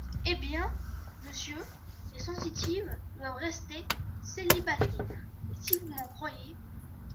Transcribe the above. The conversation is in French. Eh bien, monsieur, les sensitives doivent rester célibataires, et si vous m’en croyez…